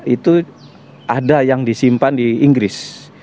itu ada yang disimpan di inggris